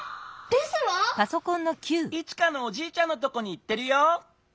イチカのおじいちゃんのとこにいってるよ。